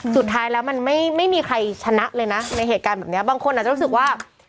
สุดท้ายแล้วมันไม่มีใครชนะเลยนะในเหตุการณ์แบบนี้บางคนอาจจะรู้สึกว่า